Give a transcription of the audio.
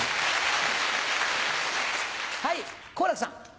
はい好楽さん。